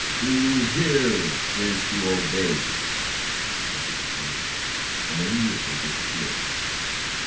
"To hear is to obey," answered the genie, and immediately disappeared.